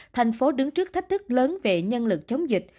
thành phố đứng trước thách thức lớn về nhân lực chống dịch